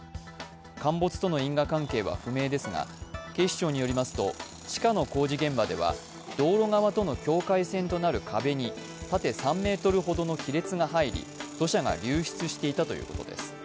陥没との因果関係は不明ですが、警視庁によりますと、地下の工事現場では道路側との境界線となる壁に縦３ｍほどの亀裂が入り、土砂が流出していたということです。